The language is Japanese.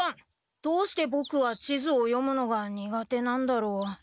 どうしてボクは地図を読むのが苦手なんだろう。